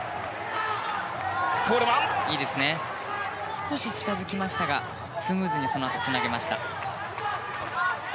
少し近づきましたがスムーズにそのあとつなげました。